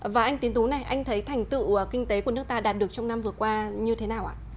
và anh tiến tú này anh thấy thành tựu kinh tế của nước ta đạt được trong năm vừa qua như thế nào ạ